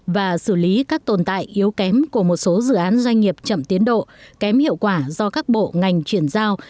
và xử lý các tồn tại yếu kém của một số dự án doanh nghiệp chậm tiến độ kém hiệu quả do các bộ ngành chuyển giao